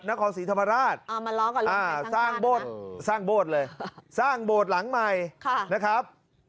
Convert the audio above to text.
นครศรีธรรมราชมาล้อกันเลยสร้างโบสถสร้างโบสถ์เลยสร้างโบสถ์หลังใหม่นะครับ